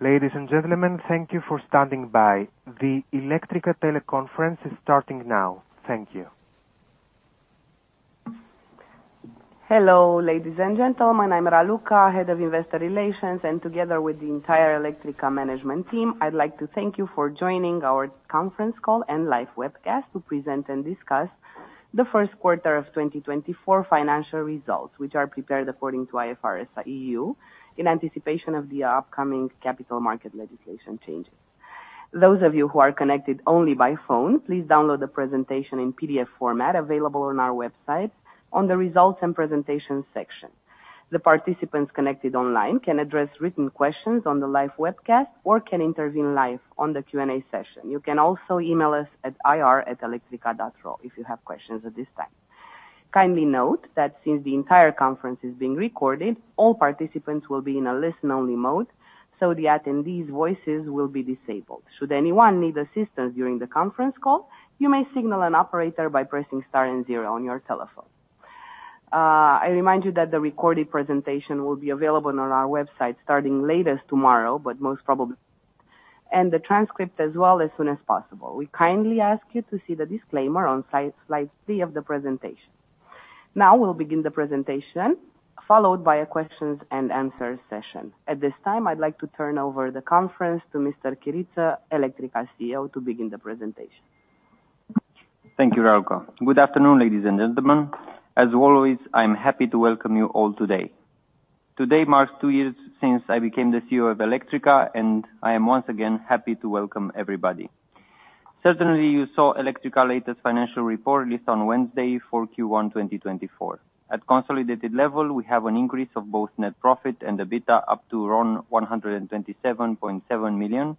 Ladies and gentlemen, thank you for standing by. The Electrica teleconference is starting now. Thank you. Hello, ladies and gentlemen. I'm Raluca, Head of Investor Relations, and together with the entire Electrica management team, I'd like to thank you for joining our conference call and live webcast to present and discuss the Q1 of 2024 financial results, which are prepared according to IFRS-EU, in anticipation of the upcoming capital market legislation changes. Those of you who are connected only by phone, please download the presentation in PDF format, available on our website on the Results and Presentation section. The participants connected online can address written questions on the live webcast or can intervene live on the Q&A session. You can also email us at ir@electrica.ro if you have questions at this time. Kindly note that since the entire conference is being recorded, all participants will be in a listen-only mode, so the attendees' voices will be disabled. Should anyone need assistance during the conference call, you may signal an operator by pressing star and zero on your telephone. I remind you that the recorded presentation will be available on our website, starting latest tomorrow, but most probably... the transcript as well, as soon as possible. We kindly ask you to see the disclaimer on slide, slide three of the presentation. Now, we'll begin the presentation, followed by a questions and answer session. At this time, I'd like to turn over the conference to Mr. Chiriță, Electrica CEO, to begin the presentation. Thank you, Raluca. Good afternoon, ladies and gentlemen. As always, I'm happy to welcome you all today. Today marks two years since I became the CEO of Electrica, and I am once again happy to welcome everybody. Certainly, you saw Electrica latest financial report released on Wednesday for Q1 2024. At consolidated level, we have an increase of both net profit and the EBITDA, up to around RON 127.7 million,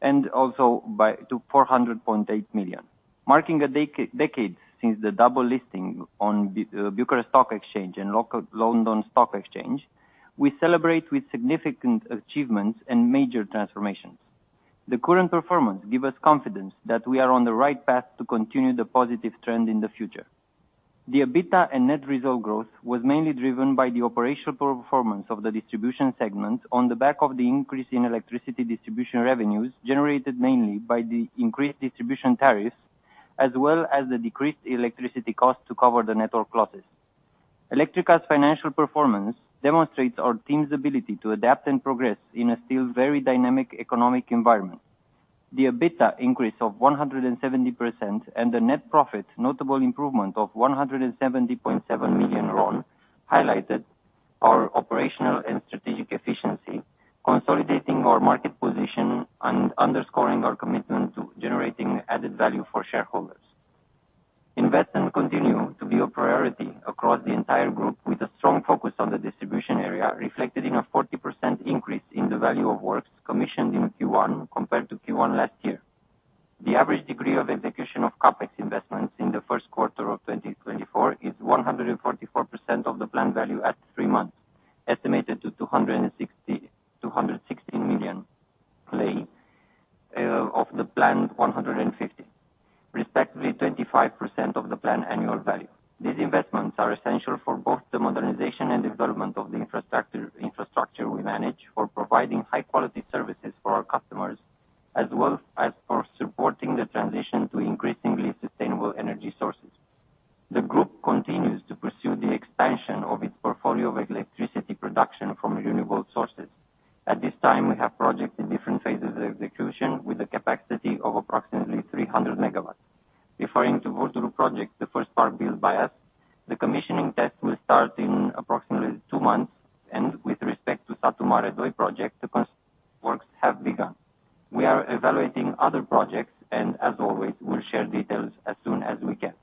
and also by to RON 400.8 million. Marking a decade since the double listing on Bucharest Stock Exchange and London Stock Exchange, we celebrate with significant achievements and major transformations. The current performance give us confidence that we are on the right path to continue the positive trend in the future. The EBITDA and net result growth was mainly driven by the operational performance of the distribution segment, on the back of the increase in electricity distribution revenues, generated mainly by the increased distribution tariffs, as well as the decreased electricity cost to cover the network losses. Electrica's financial performance demonstrates our team's ability to adapt and progress in a still very dynamic economic environment. The EBITDA increase of 170% and the net profit notable improvement of RON 170.7 million, highlighted our operational and strategic efficiency, consolidating our market position and underscoring our commitment to generating added value for shareholders. Investment continue to be a priority across the entire group, with a strong focus on the distribution area, reflected in a 40% increase in the value of works commissioned in Q1 compared to Q1 last year. The average degree of execution of CapEx investments in the Q1 of 2024 is 144% of the planned value at three months, estimated to RON 216 million of the planned 150, respectively, 25% of the planned annual value. These investments are essential for both the modernization and development of the infrastructure we manage, for providing high-quality services for our customers, as well as for supporting the transition to increasingly sustainable energy sources. The group continues to pursue the expansion of its portfolio of electricity production from renewable sources. At this time, we have projects in different phases of execution with a capacity of approximately 300 MW. Referring to the Vulturu Project, the first part built by us, the commissioning test will start in approximately two months, and with respect to the Satu Mare Project, the construction works have begun. We are evaluating other projects, and as always, we'll share details as soon as we can.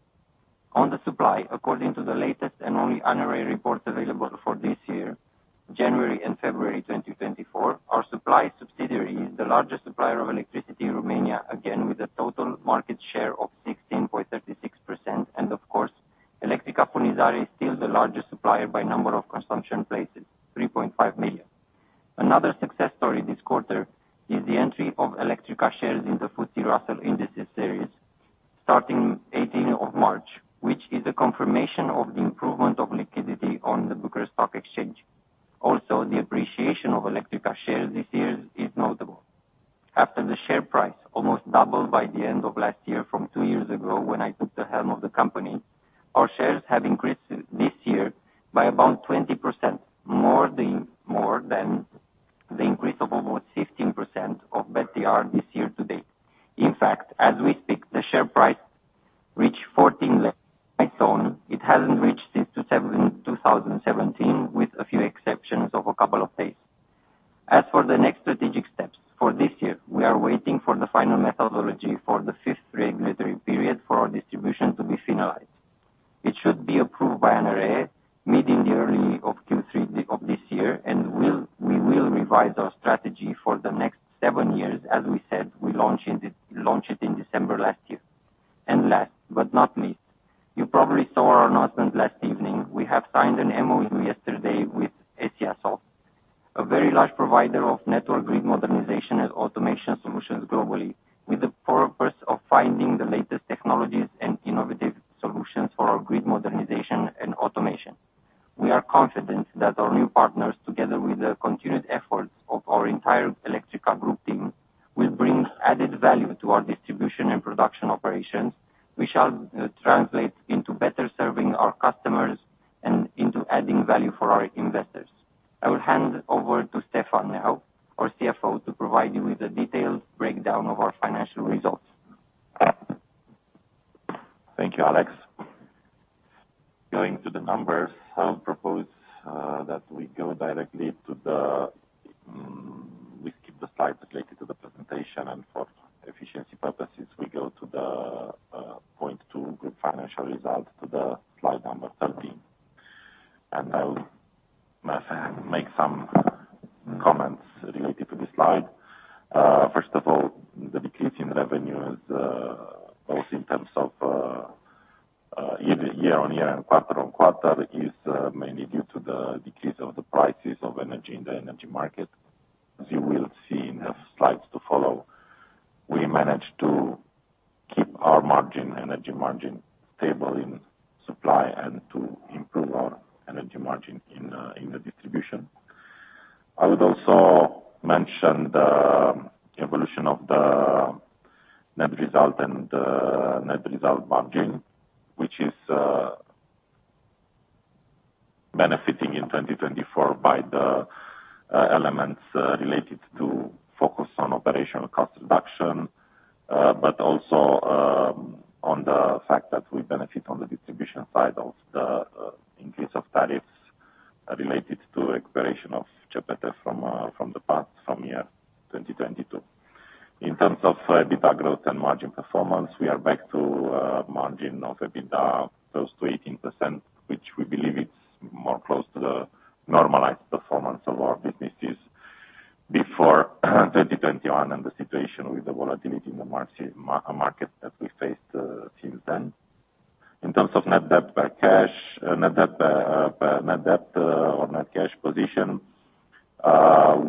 On the supply, according to the latest and only ANRE reports available for this year, January and February 2024, our supply subsidiary is the largest supplier of electricity in Romania, again, with a total market share of 16.36%, and of course, Electrica Furnizare is still the largest supplier by number of consumption places, 3.5 million. Another success story this quarter is the entry of Electrica shares in the FTSE Russell Indices series, starting 18th of March, which is a confirmation of the improvement of liquidity on the Bucharest Stock Exchange. Also, the appreciation of Electrica shares this year is notable. After the share price almost doubled by the end of last year from two years ago, when I took the helm of the company, our shares have increased this year by about 20%, more than the increase of almost 15% of BET-TR this year to date. In fact, as we speak, the share price reached 14 slide. First of all, the decrease in revenue is both in terms of year-on-year and quarter-on-quarter is mainly due to the decrease of the prices of energy in the energy market. As you will see in the slides to follow, we managed to keep our margin, energy margin, stable in supply and to improve our energy margin in the distribution. I would also mention the evolution of the net result and net result margin, which is benefiting in 2024 by the elements related to focus on operational cost reduction, but also on the fact that we benefit on the distribution side of the increase of tariffs related to expiration of GPTE from the past, from year 2022. In terms of EBITDA growth and margin performance, we are back to margin of EBITDA, close to 18%, which we believe it's more close to the normalized performance of our businesses before 2021, and the situation with the volatility in the market that we faced since then. In terms of net debt or net cash position,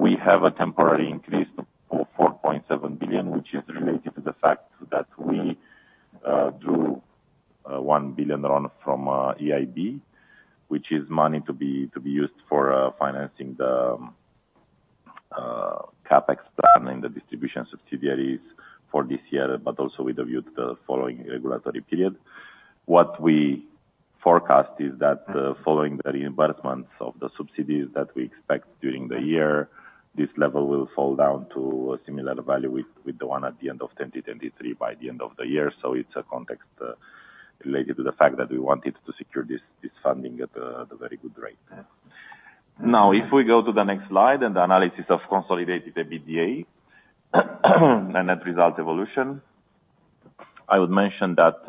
we have a temporary increase of RON 4.7 billion, which is related to the fact that we drew RON 1 billion from EIB, which is money to be used for financing the CapEx plan in the distribution subsidiaries for this year, but also with a view to the following regulatory period. What we forecast is that, following the reimbursements of the subsidies that we expect during the year, this level will fall down to a similar value with the one at the end of 2023, by the end of the year. So it's a context related to the fact that we wanted to secure this funding at a very good rate. Now, if we go to the next slide, and the analysis of consolidated EBITDA, and net result evolution, I would mention that,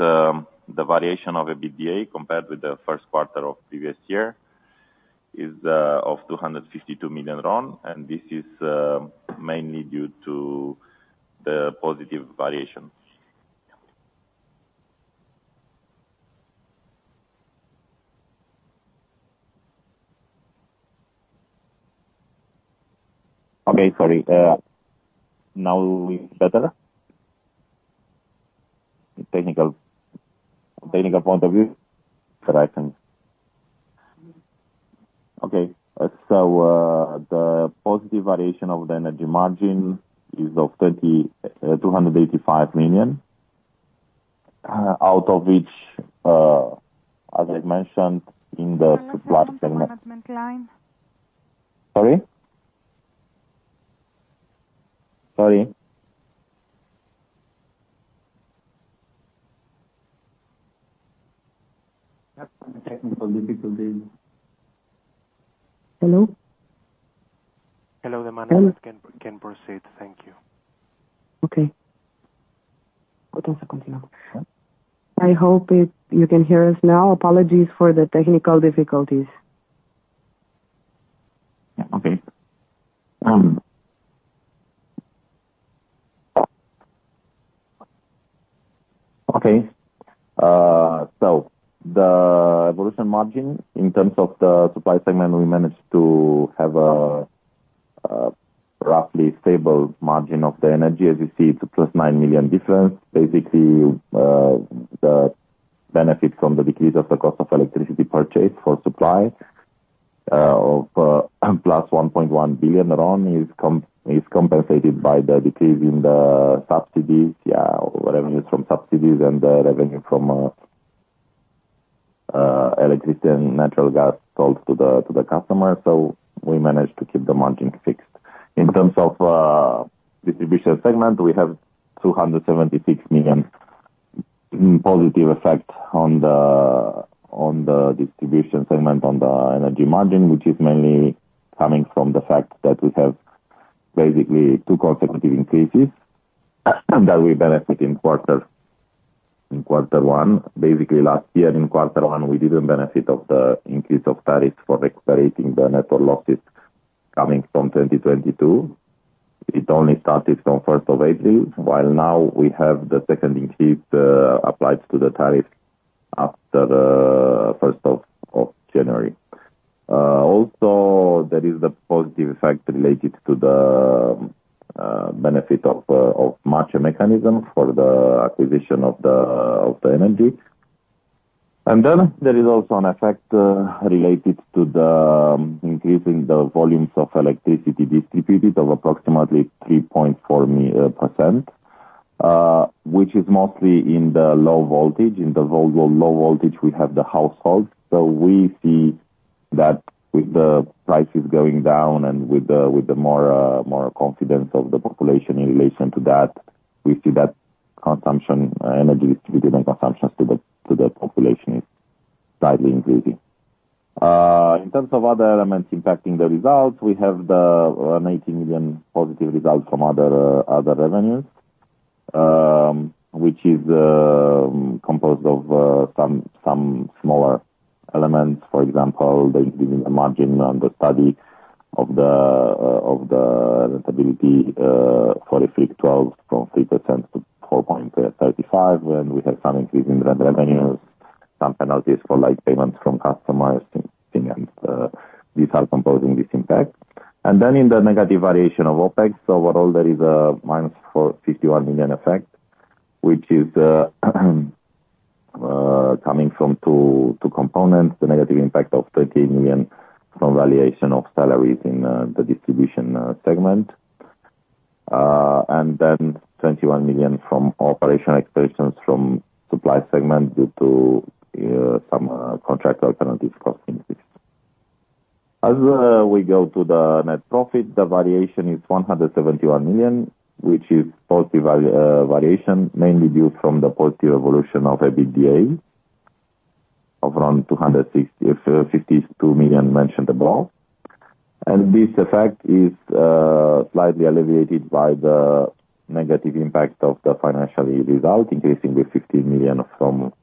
the variation of EBITDA, compared with the Q1 of previous year, is of RON 252 million, and this is mainly due to the positive variation. Okay, sorry. Now is better? Technical point of view, correction. Okay. So, the positive variation of the energy margin is of RON 285 million, out of which, as I mentioned, in the supply segment- Line. Sorry? Sorry. Technical difficulty. Hello? Hello, the management can proceed. Thank you. Okay. I hope you can hear us now. Apologies for the technical difficulties. Yeah. Okay, so the evolution margin in terms of the supply segment, we managed to have a roughly stable margin of the energy. As you see, it's a RON +9 million difference. Basically, the benefit from the decrease of the cost of electricity purchase for supply of +1.1 billion RON is compensated by the decrease in the subsidies, yeah, revenues from subsidies and the revenue from electricity and natural gas sold to the customer. So we managed to keep the margin fixed. In terms of distribution segment, we have RON 276 million positive effect on the distribution segment, on the energy margin, which is mainly coming from the fact that we have basically two consecutive increases that we benefit in Q1. Basically, last year in Q1, we didn't benefit of the increase of tariffs for recuperating the network losses coming from 2022. It only started from first of April, while now we have the second increase applied to the tariff after the first of January. Also, there is the positive effect related to the benefit of MACE mechanism for the acquisition of the energy. And then there is also an effect related to the increase in the volumes of electricity distributed of approximately 3.4%, which is mostly in the low voltage. In the low voltage, we have the households. So we see that with the prices going down and with the more confidence of the population in relation to that, we see that consumption energy distributed and consumption to the population is slightly increasing. In terms of other elements impacting the results, we have the RON 90 million positive results from other revenues, which is composed of some smaller elements. For example, the margin on the study of the availability for a fix twelve from 3% to 4.35%, and we have some increase in the revenues, some penalties for late payments from customers, and these are composing this impact. And then in the negative variation of OpEx, so overall, there is a -RON 451 million effect, which is coming from two components: the negative impact of RON 20 million from valuation of salaries in the distribution segment, and then RON 21 million from operational expenses from supply segment due to some contractor penalties cost increase. As we go to the net profit, the variation is RON 171 million, which is positive variation, mainly due from the positive evolution of EBITDA of around RON 265.2 million mentioned above. And this effect is slightly alleviated by the negative impact of the financial result, increasing with RON 50 million from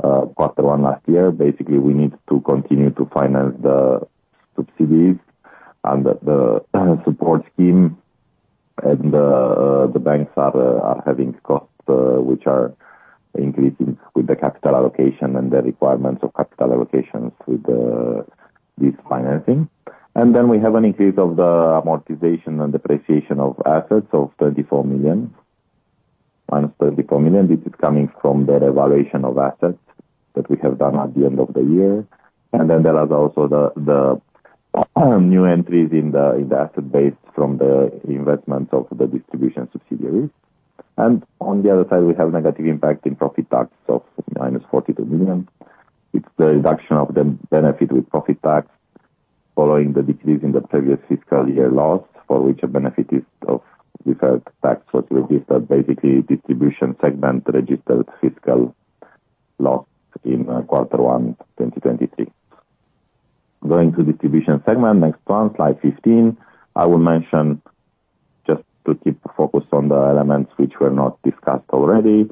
Q1 last year. Basically, we need to continue to finance the subsidies and the support scheme, and the banks are having costs which are increasing with the capital allocation and the requirements of capital allocations with this financing. And then we have an increase of the amortization and depreciation of assets of RON 34 million, minus RON 34 million. This is coming from the revaluation of assets that we have done at the end of the year. And then there are also the new entries in the asset base from the investments of the distribution subsidiaries. And on the other side, we have negative impact in profit tax of minus RON 42 million. It's the reduction of the benefit with profit tax, following the decrease in the previous fiscal year loss, for which the benefit is of deferred tax, what we registered. Basically, distribution segment registered fiscal loss in Q1, 2023. Going to distribution segment, next one, slide 15. I will mention, just to keep focused on the elements which were not discussed already.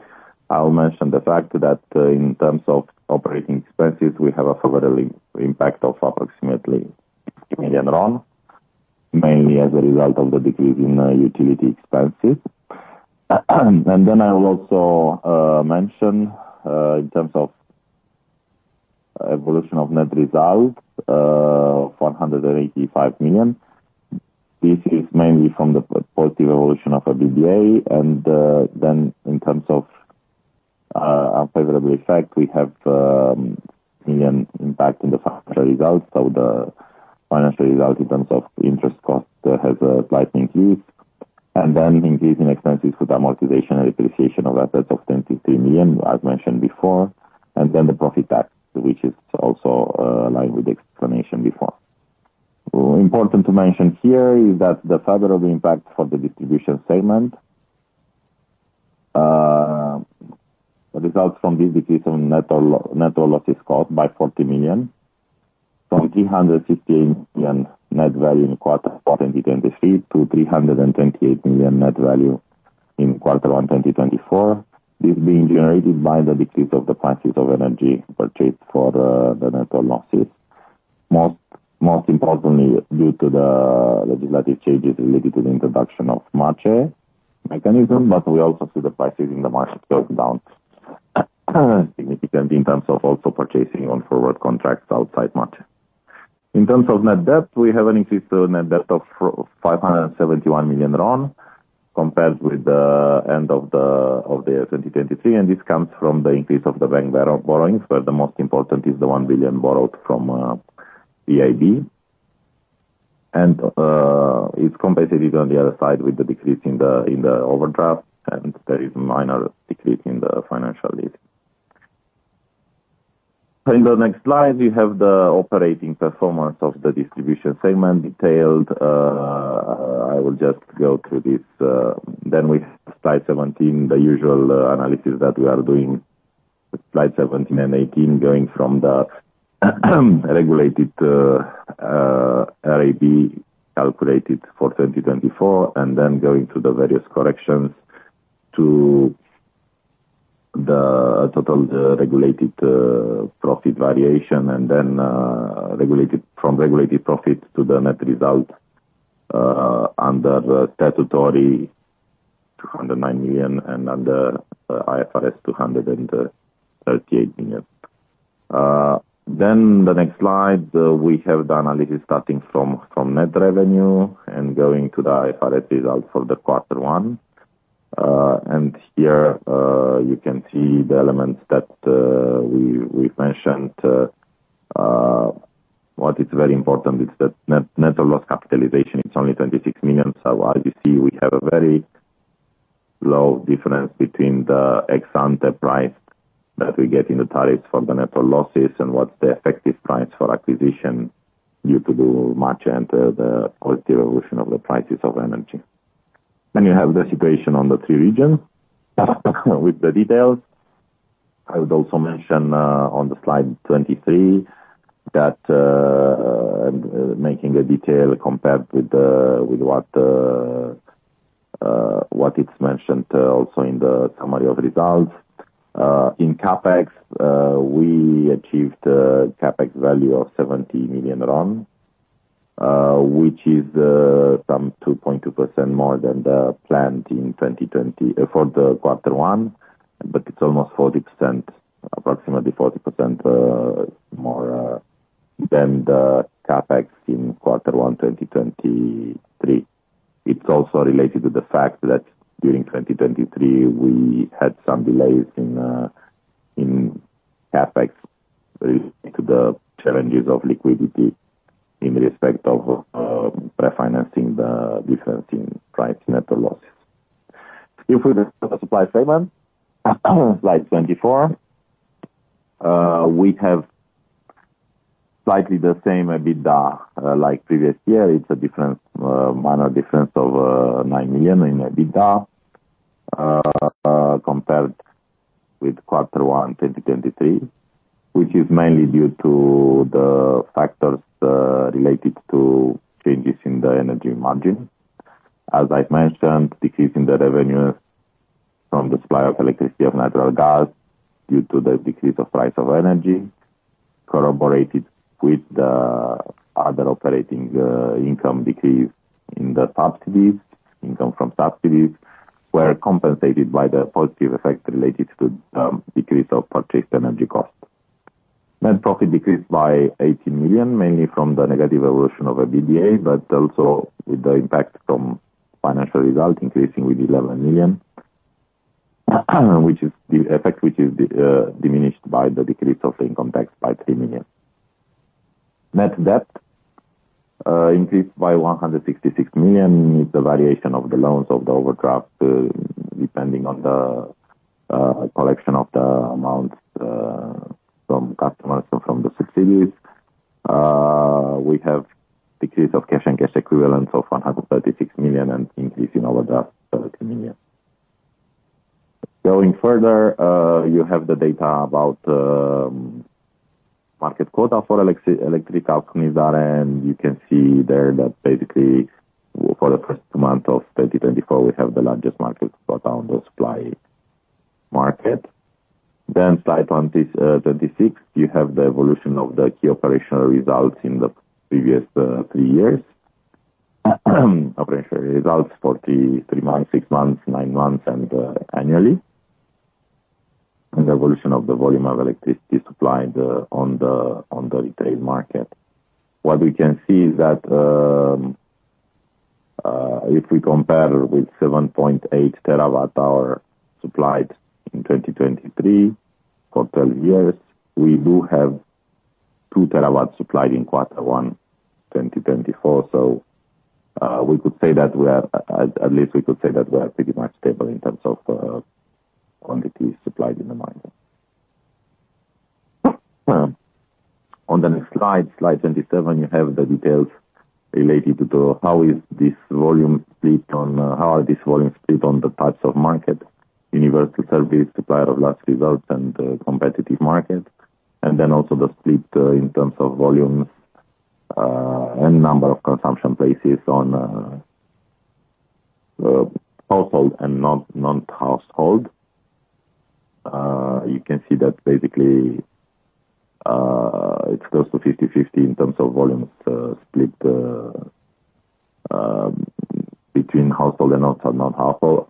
I'll mention the fact that in terms of operating expenses, we have a favorable impact of approximately RON 60 million, mainly as a result of the decrease in utility expenses. And then I will also mention in terms of evolution of net results, RON 485 million. This is mainly from the positive evolution of EBITDA. And then in terms of unfavorable effect, we have million impact in the financial results. So the financial result in terms of interest cost has slightly increased, and then increase in expenses with amortization and depreciation of assets of RON 10-30 million, as mentioned before. The profit tax, which is also in line with the explanation before. Important to mention here is that the favorable impact for the distribution segment results from this decrease in net losses cost by RON 40 million. From RON 315 million net value in Q1 2023 to RON 328 million net value in Q1 2024. This being generated by the decrease of the prices of energy purchased for the net losses. Most importantly, due to the legislative changes related to the introduction of MACE mechanism, but we also see the prices in the market going down, significantly in terms of also purchasing on forward contracts outside MACE. In terms of net debt, we have an increased net debt of RON 571 million, compared with the end of 2023, and this comes from the increase of the bank borrowings, where the most important is the RON 1 billion borrowed from EIB. It's competitive on the other side with the decrease in the overdraft, and there is minor decrease in the financial debt. In the next slide, we have the operating performance of the distribution segment detailed. I will just go through this, then with slide 17, the usual analysis that we are doing. Slide 17 and 18, going from the regulated RAB calculated for 2024, and then going through the various corrections to the total regulated profit variation, and then regulated from regulated profit to the net result under the statutory, RON 109 million, and under IFRS, RON 238 million. Then the next slide, we have the analysis starting from net revenue and going to the IFRS result for Q1. And here, you can see the elements that we mentioned. What is very important is that net loss capitalization, it's only RON 26 million. So as you see, we have a very low difference between the ex-ante price that we get in the tariffs for the net losses and what the effective price for acquisition, due the MACE and the positive evolution of the prices of energy. Then you have the situation on the three regions with the details. I would also mention, on the slide 23, that, making a detail compared with what is mentioned, also in the summary of results. In CapEx, we achieved CapEx value of RON 70 million, which is some 2.2% more than the planned in 2020 for the Q1, but it's almost 40%, approximately 40%, more than the CapEx in Q1, 2023. It's also related to the fact that during 2023, we had some delays in CapEx related to the challenges of liquidity in respect of refinancing the difference in price net losses. If we look at the supply segment, slide 24. We have slightly the same EBITDA like previous year. It's a minor difference of 9 million in EBITDA compared with Q1, 2023, which is mainly due to the factors related to changes in the energy margin. As I've mentioned, decrease in the revenue from the supply of electricity of natural gas, due to the decrease of price of energy, corroborated with the other operating income decrease in the subsidies. Income from subsidies were compensated by the positive effect related to decrease of purchased energy cost. Net profit decreased by RON 80 million, mainly from the negative evolution of EBITDA, but also with the impact from financial results increasing with RON 11 million, which is the effect, which is diminished by the decrease of income tax by RON 3 million. Net debt increased by RON 166 million. The variation of the loans of the overdraft, depending on the collection of the amounts from customers and from the subsidies. We have decrease of cash and cash equivalent of RON 136 million and increase in our draft, RON 30 million. Going further, you have the data about market quota for electricity distribution, and you can see there that basically for the first month of 2024, we have the largest market quota on the supply market. Then slide 20, 26, you have the evolution of the key operational results in the previous 3 years. Operational results for 3 months, 6 months, 9 months, and annually, and the evolution of the volume of electricity supplied on the retail market. What we can see is that if we compare with 7.8 terawatt hour supplied in 2023, total years, we do have 2 terawatts supplied in Q1, 2024. So, we could say that we are, at least we could say that we are pretty much stable in terms of quantity supplied in the market. On the next slide, slide 27, you have the details related to how are these volumes split on the types of market, universal service, supplier of last resort, and competitive market. And then also the split in terms of volumes and number of consumption places on household and non-household. You can see that basically, it's close to 50/50 in terms of volumes split between household and also non-household,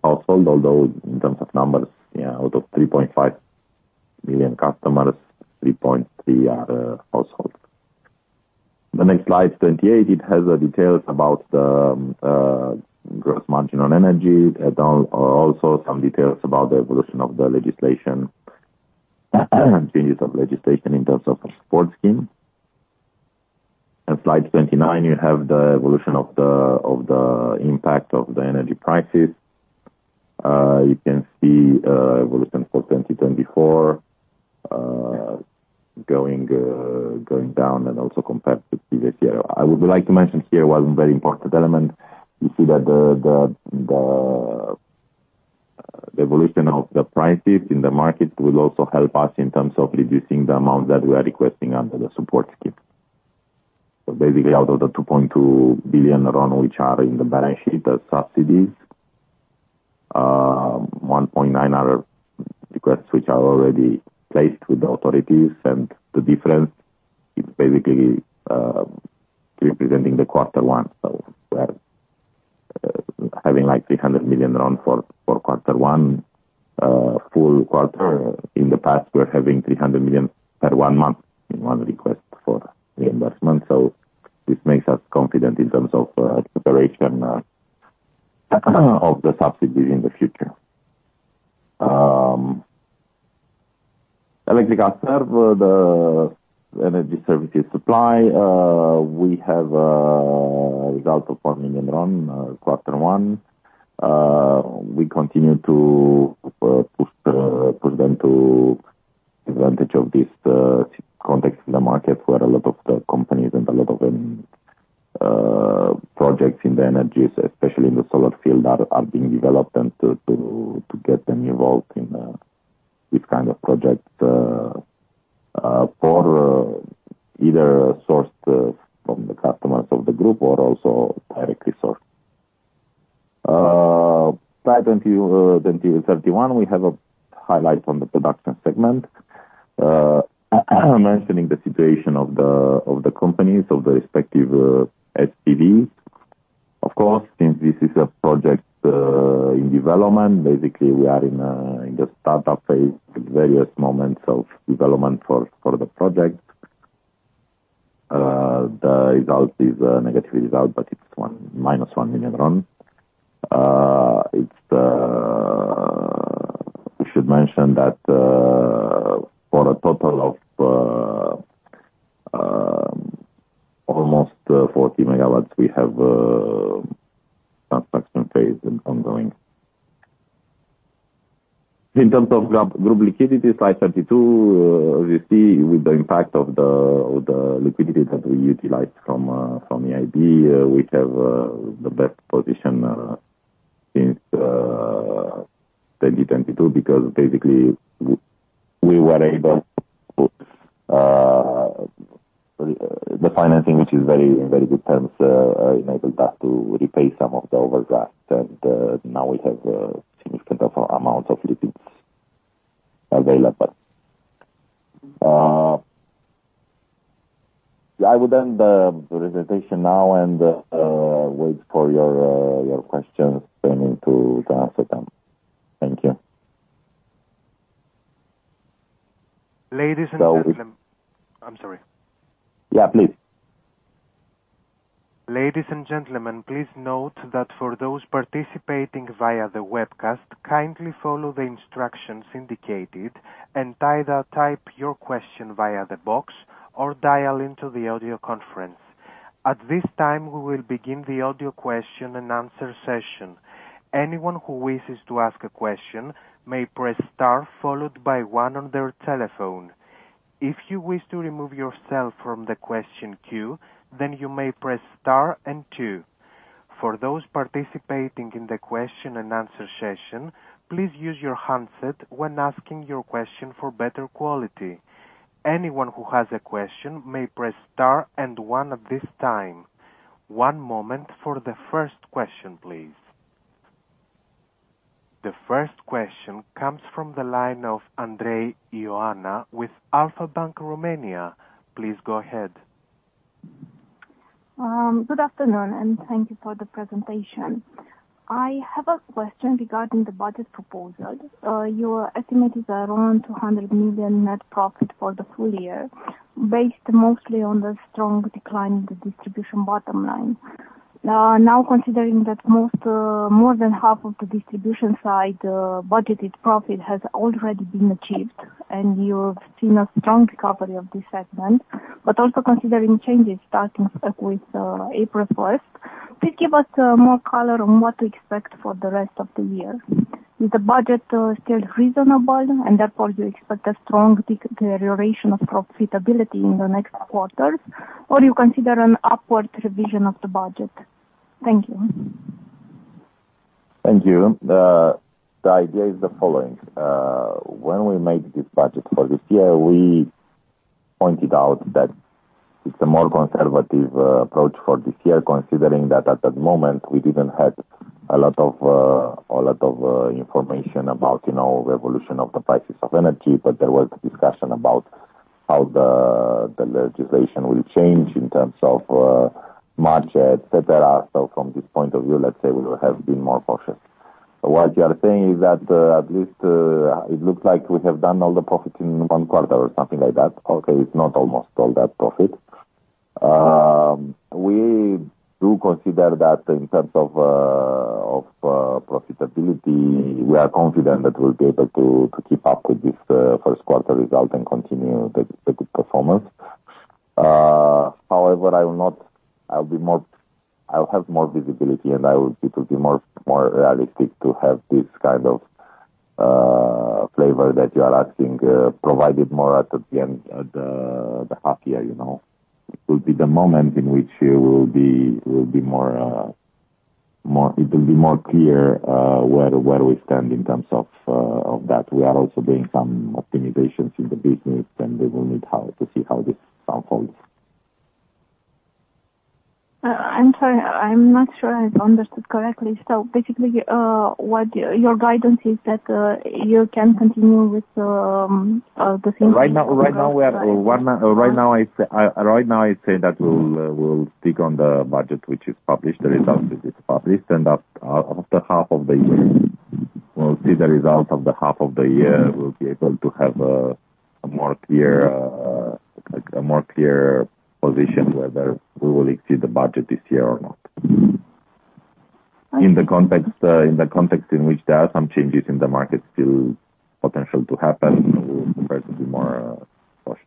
although in terms of numbers, out of 3.5 million customers, 3.3 are household. The next slide, 28, it has the details about the gross margin on energy, and also some details about the evolution of the legislation, changes of legislation in terms of a support scheme. On slide 29, you have the evolution of the impact of the energy prices. You can see evolution for 2024, going down and also compared to previous year. I would like to mention here one very important element. You see that the evolution of the prices in the market will also help us in terms of reducing the amount that we are requesting under the support scheme. So basically, out of the RON 2.2 billion, which are in the balance sheet as subsidies, 1.9 are requests which are already placed with the authorities, and the difference. It's basically representing Q1. So we're having, like, RON 300 million for Q1. Full quarter. In the past, we're having RON 300 million per one month in one request for reimbursement. So this makes us confident in terms of, preparation, of the subsidies in the future. Electrica, the energy services supply, we have a result of RON 4 million, Q1. We continue to push them to advantage of this context in the market, where a lot of the companies and a lot of them projects in the energies, especially in the solar field, are being developed and to get them involved in this kind of project, for either sourced from the customers of the group or also directly sourced. Slide 20, 21, we have a highlight on the production segment. Mentioning the situation of the companies of the respective SPVs. Of course, since this is a project in development, basically we are in the startup phase at various moments of development for the project. The result is a negative result, but it's minus RON 1 million. We should mention that for a total of almost 40 MW, we have construction phase and ongoing. In terms of group liquidity, slide 32, you see, with the impact of the liquidity that we utilized from EIB, we have the best position since 2022, because basically we were able to the financing, which is very in very good terms, enabled us to repay some of the overdraft. And now we have a significant amount of liquidity available. I would end the presentation now and wait for your questions, planning to answer them. Thank you. Ladies and gentlemen- So we- I'm sorry. Yeah, please. Ladies and gentlemen, please note that for those participating via the webcast, kindly follow the instructions indicated, and either type your question via the box or dial into the audio conference. At this time, we will begin the audio question and answer session. Anyone who wishes to ask a question may press star, followed by one on their telephone. If you wish to remove yourself from the question queue, then you may press star and two. For those participating in the question and answer session, please use your handset when asking your question for better quality. Anyone who has a question may press star and one at this time. One moment for the first question, please. The first question comes from the line of Andrei Ioana with Alpha Bank Romania. Please go ahead. Good afternoon, and thank you for the presentation. I have a question regarding the budget proposal. Your estimate is around RON 200 million net profit for the full year, based mostly on the strong decline in the distribution bottom line. Now, considering that most, more than half of the distribution side budgeted profit has already been achieved, and you've seen a strong recovery of this segment, but also considering changes starting with April first, please give us more color on what to expect for the rest of the year. Is the budget still reasonable, and therefore you expect a strong deterioration of profitability in the next quarters, or you consider an upward revision of the budget? Thank you. Thank you. The idea is the following. When we made this budget for this year, we pointed out that it's a more conservative approach for this year, considering that at that moment, we didn't have a lot of information about, you know, the evolution of the prices of energy. But there was a discussion about how the legislation will change in terms of market, et cetera. So from this point of view, let's say we will have been more cautious. What you are saying is that at least it looks like we have done all the profits in Q1 or something like that. Okay, it's not almost all that profit. We do consider that in terms of profitability, we are confident that we'll be able to keep up with this Q1 result and continue the good performance. However, I will not... I'll have more visibility, and I will be more realistic to have this kind of flavor that you are asking, provided more at the end of the half year, you know. It will be the moment in which it will be more clear where we stand in terms of that. We are also doing some optimizations in the business, and we will need to see how this unfolds. ... I'm sorry, I'm not sure I've understood correctly. So basically, what your guidance is that, you can continue with the, the same? Right now, right now, we are one, right now, I say, right now I say that we'll, we'll stick on the budget, which is published, the results is, is published, and after half of the year, we'll see the results of the half of the year, we'll be able to have a, a more clear, like a more clear position whether we will exceed the budget this year or not. In the context, in the context in which there are some changes in the market still potential to happen, we prefer to be more, cautious.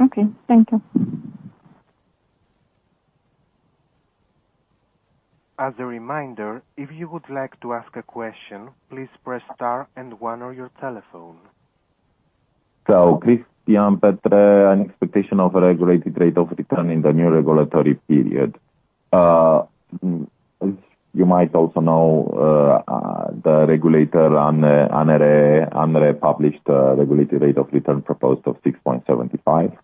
Okay, thank you. As a reminder, if you would like to ask a question, please press star and one on your telephone. So, Christian, an expectation of a regulated rate of return in the new regulatory period. You might also know the regulator published a regulatory rate of return proposed of 6.75%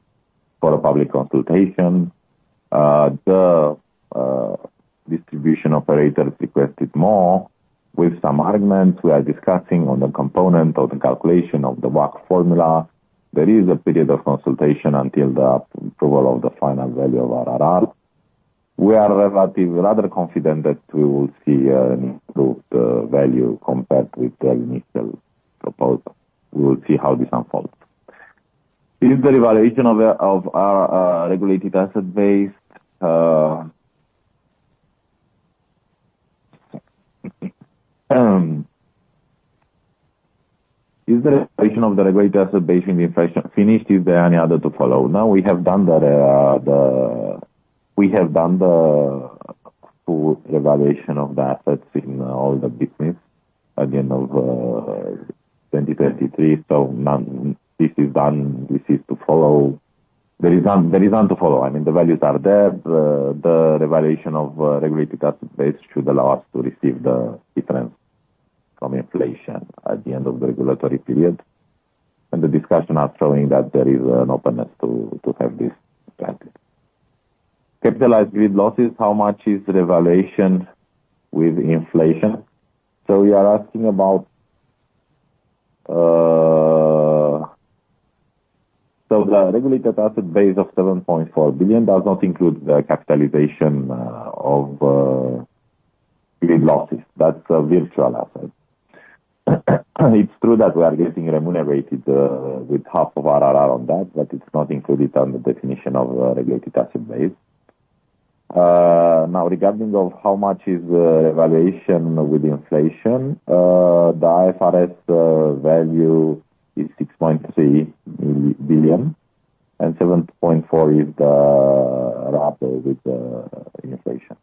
for a public consultation. The distribution operator requested more with some arguments we are discussing on the component of the calculation of the WACC formula. There is a period of consultation until the approval of the final value of RRR. We are relatively rather confident that we will see an improved value compared with the initial proposal. We will see how this unfolds. Is the revaluation of the regulated asset base... is the valuation of the regulated asset base inflation finished? Is there any other to follow? No, we have done the full revaluation of the assets in all the business at the end of 2023. So none. This is done, this is to follow. There is none, there is none to follow. I mean, the values are there. The revaluation of regulated asset base should allow us to receive the difference from inflation at the end of the regulatory period, and the discussions are showing that there is an openness to have this planted. Capitalized with losses, how much is the revaluation with inflation? So you are asking about... So the regulated asset base of RON 7.4 billion does not include the capitalization of grid losses. That's a virtual asset. It's true that we are getting remunerated, with half of RRR on that, but it's not included on the definition of a regulated asset base. Now, regarding of how much is the evaluation with inflation, the IFRS value is RON 6.3 billion, and 7.4 is the RAB with the inflation.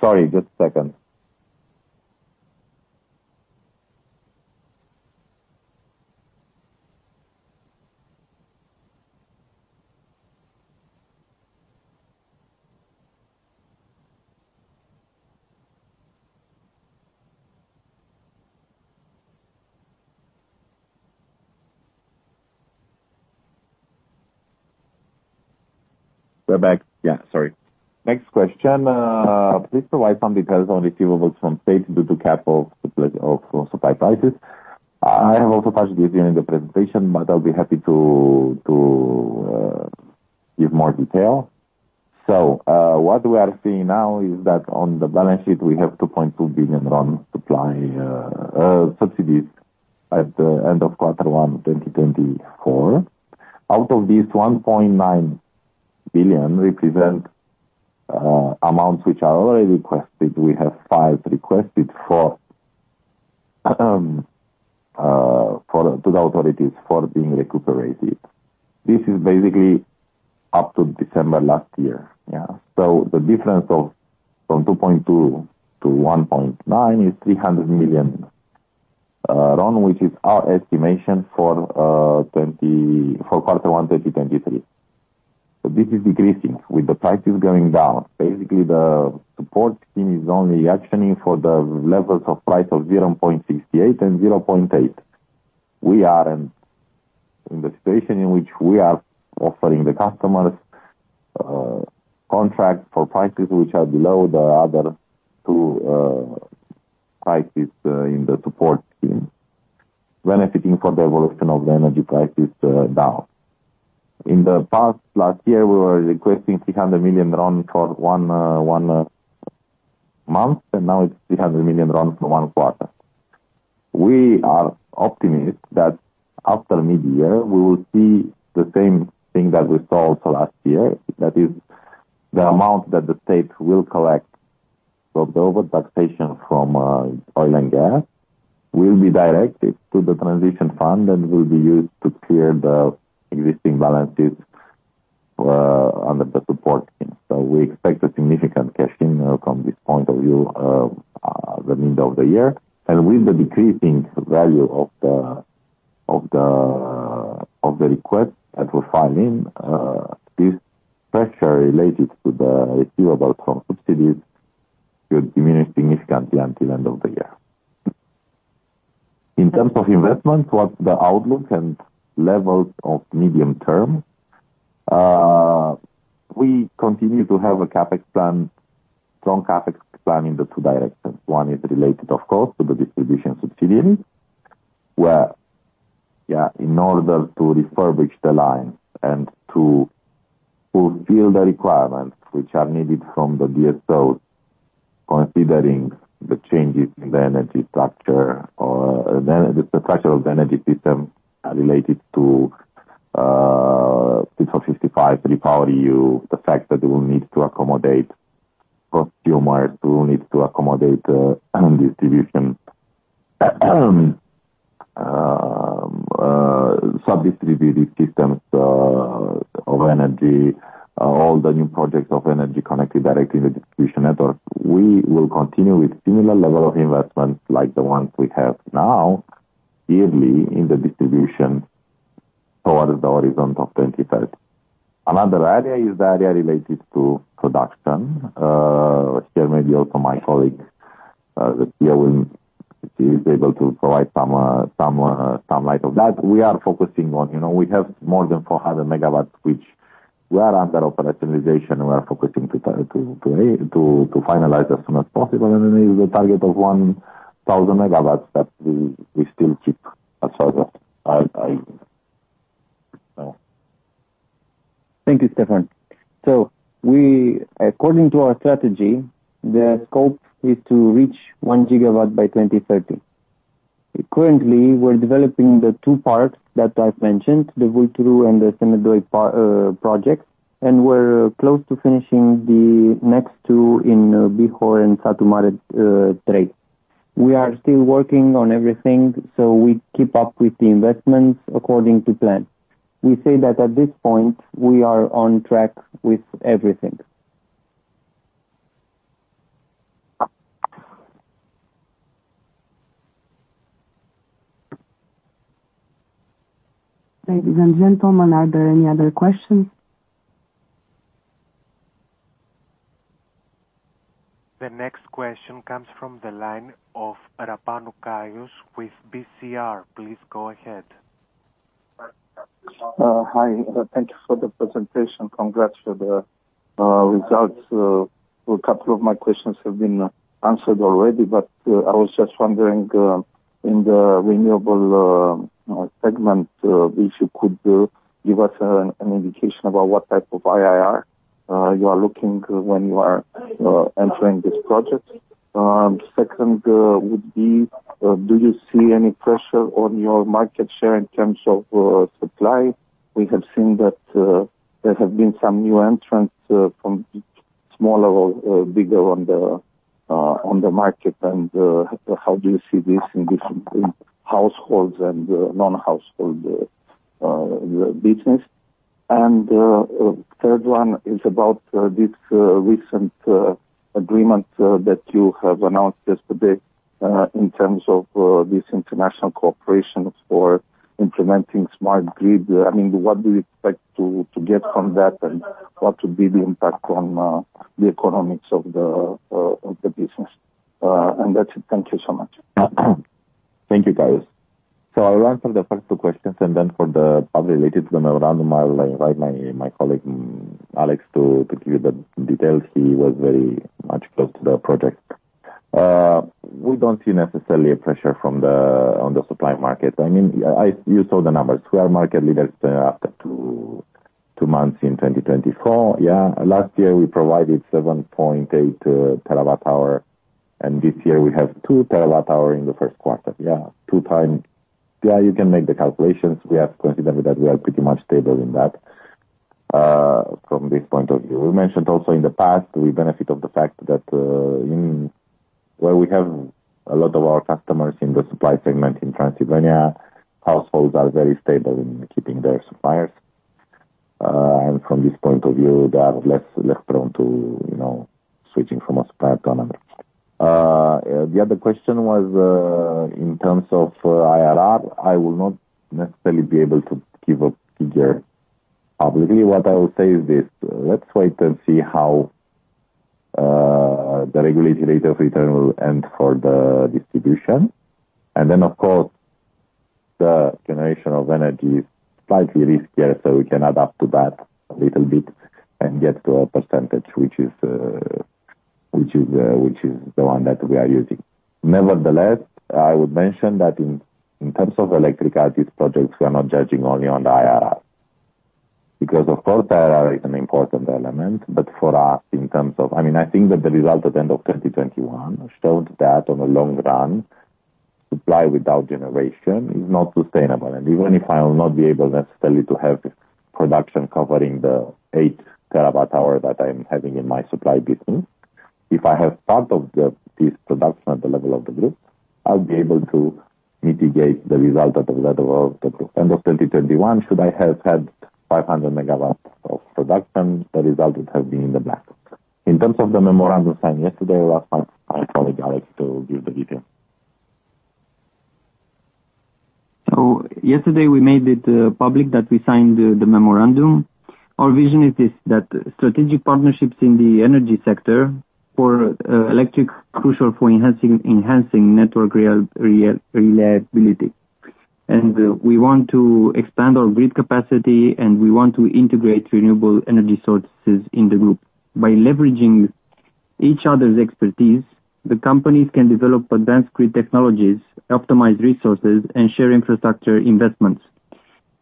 Sorry, just a second. We're back. Yeah. Sorry. Next question, please provide some details on receivables from state due to capital of supply prices. I have also touched this during the presentation, but I'll be happy to, to, give more detail. So, what we are seeing now is that on the balance sheet, we have RON 2.2 billion RON supply subsidies at the end of Q1, 2024. Out of these, 1 billion represent amounts which are already requested. We have files requested for to the authorities for being recuperated. This is basically up to December last year. Yeah. So the difference of, from 2.2 to 1.9 is RON 300 million, which is our estimation for Q1, 2023. So this is decreasing with the prices going down. Basically, the support team is only actioning for the levels of price of 0.68 and 0.8. We are in the situation in which we are offering the customers contract for prices which are below the other two prices in the support team, benefiting from the evolution of the energy prices down. In the past last year, we were requesting RON 300 million for one month, and now it's RON 300 million in Q1. We are optimistic that after mid-year, we will see the same thing that we saw also last year. That is, the amount that the state will collect from the overtaxation from oil and gas will be directed to the transition fund and will be used to clear the existing balances under the support team. So we expect a significant cash in from this point of view, the middle of the year. And with the decreasing value of the request that we're filing, this pressure related to the receivable from subsidies should diminish significantly until end of the year. In terms of investment, what the outlook and levels of medium term, we continue to have a CapEx plan, strong CapEx plan in the two directions. One is related, of course, to the distribution subsidiary, where, yeah, in order to refurbish the line and to fulfill the requirements which are needed from the DSO, considering the changes in the energy structure or the, the structure of the energy system are related to 655 REPowerEU. The fact that we will need to accommodate consumers, we will need to accommodate energy distribution sub-distributive systems of energy, all the new projects of energy connected directly in the distribution network. We will continue with similar level of investments like the ones we have now, yearly in the distribution toward the horizon of 2030. Another area is the area related to production. There may be also my colleague that here will, she is able to provide some light of that. We are focusing on, you know, we have more than 400 MW, which we are under operationalization, we are focusing to try to finalize as soon as possible, and then is the target of 1,000 MW that we still keep as well. Thank you, Ștefan. So we, according to our strategy, the scope is to reach one gigawatt by 2030. Currently, we're developing the 2 parts that I've mentioned, the Vulturu and the Satu Mare 2 projects, and we're close to finishing the next two in Bihor and Satu Mare two. We are still working on everything, so we keep up with the investments according to plan. We say that at this point, we are on track with everything. Ladies and gentlemen, are there any other questions? The next question comes from the line of Caius Răpanu with BCR. Please go ahead. Hi, thank you for the presentation. Congrats for the results. Well, a couple of my questions have been answered already, but I was just wondering, in the renewable segment, if you could give us an indication about what type of IRR you are looking when you are entering this project? Second, would be, do you see any pressure on your market share in terms of supply? We have seen that there have been some new entrants from smaller or bigger on the market, and how do you see this in different in households and non-household business? And, third one is about this recent agreement that you have announced yesterday, in terms of this international cooperation for implementing smart grid. I mean, what do you expect to get from that, and what would be the impact on the economics of the business? And that's it. Thank you so much. Thank you, Caius. So I'll answer the first two questions, and then for the related memorandum, I'll invite my, my colleague, Alex, to, to give you the details. He was very much close to the project. We don't see necessarily a pressure from the, on the supply market. I mean... You saw the numbers. We are market leaders after two, two months in 2024. Yeah, last year, we provided 7.8 TWh, and this year we have 2 TWh in the Q1. Yeah, 2x. Yeah, you can make the calculations. We are confident that we are pretty much stable in that, from this point of view. We mentioned also in the past, we benefit of the fact that, in where we have a lot of our customers in the supply segment in Transylvania, households are very stable in keeping their suppliers. And from this point of view, they are less, less prone to, you know, switching from a supplier to another. The other question was, in terms of IRR, I will not necessarily be able to give a figure publicly. What I will say is this: Let's wait and see how the regulatory rate of return will end for the distribution. And then, of course, the generation of energy is slightly riskier, so we can add up to that a little bit and get to a percentage which is, which is, which is the one that we are using. Nevertheless, I would mention that in terms of electricity projects, we are not judging only on the IRR. Because of course, IRR is an important element, but for us, in terms of—I mean, I think that the result at the end of 2021 showed that on the long run, supply without generation is not sustainable. And even if I will not be able necessarily to have production covering the 8 TWh that I'm having in my supply business, if I have part of the, this production at the level of the group, I'll be able to mitigate the result at the level of the end of 2021. Should I have had 500 MW of production, the result would have been in the black. In terms of the memorandum signed yesterday, last part, I call colleague Alex to give the details.... So yesterday, we made it public that we signed the memorandum. Our vision is that strategic partnerships in the energy sector for Electrica crucial for enhancing network reliability. We want to expand our grid capacity, and we want to integrate renewable energy sources in the group. By leveraging each other's expertise, the companies can develop advanced grid technologies, optimize resources, and share infrastructure investments.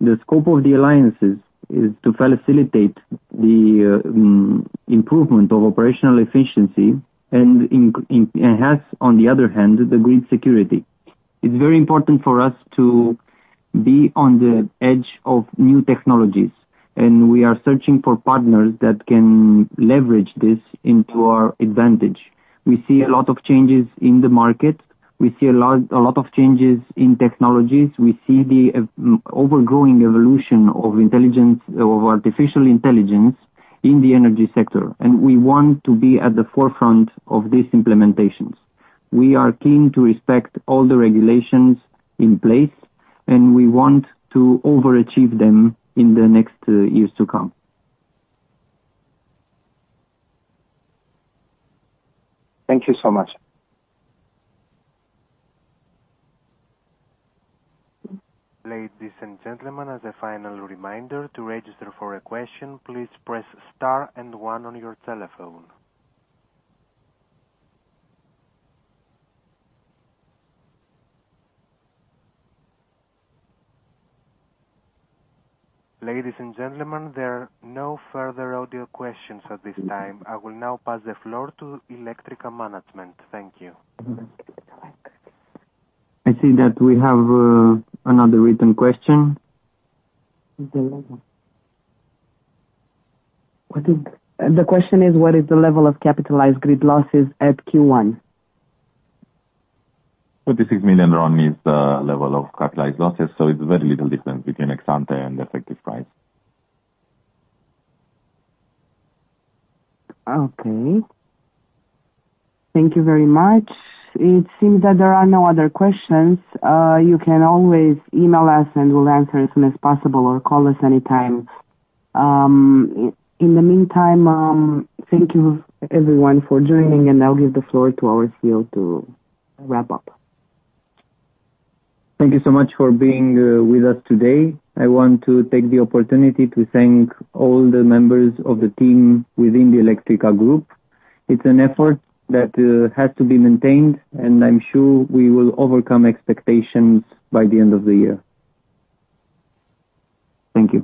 The scope of the alliances is to facilitate the improvement of operational efficiency and enhance, on the other hand, the grid security. It's very important for us to be on the edge of new technologies, and we are searching for partners that can leverage this into our advantage. We see a lot of changes in the market. We see a lot of changes in technologies. We see the ever-growing evolution of intelligence, of artificial intelligence in the energy sector, and we want to be at the forefront of these implementations. We are keen to respect all the regulations in place, and we want to overachieve them in the next years to come. Thank you so much. Ladies and gentlemen, as a final reminder, to register for a question, please press star and one on your telephone. Ladies and gentlemen, there are no further audio questions at this time. I will now pass the floor to Electrica management. Thank you. I see that we have another written question. The level. What is... The question is: What is the level of capitalized grid losses at Q1? RON 36 million is the level of capitalized losses, so it's very little difference between ex-ante and effective price. Okay. Thank you very much. It seems that there are no other questions. You can always email us, and we'll answer as soon as possible or call us anytime. In the meantime, thank you everyone for joining, and I'll give the floor to Aurelian to wrap up. Thank you so much for being with us today. I want to take the opportunity to thank all the members of the team within the Electrica Group. It's an effort that has to be maintained, and I'm sure we will overcome expectations by the end of the year. Thank you.